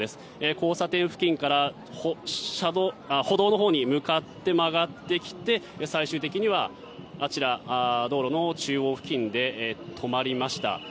交差点付近から歩道のほう向かって曲がってきて最終的にはあちら道路の中央付近で止まりました。